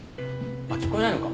あっ聞こえないのか。